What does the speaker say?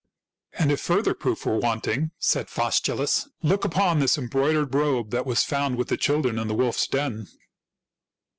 " And if further proof were wanting," said Faus tulus, " look upon this embroidered robe that was found with the children in the wolf's den."